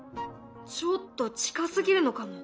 ちょっと近すぎるのかも。